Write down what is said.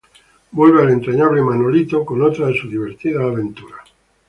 Vuelve el entrañable Manolito con otra de sus divertidas aventuras.